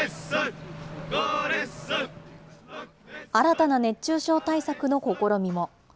新たな熱中症対策の試みも。